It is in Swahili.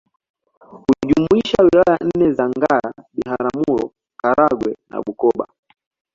kujumuisha Wilaya nne za Ngara Biharamuro Karagwe na Bukoba